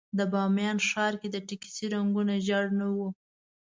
د بامیان ښار کې د ټکسي رنګونه ژېړ نه وو.